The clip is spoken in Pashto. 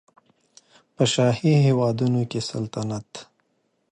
په شاهي هېوادونو کې سلطنت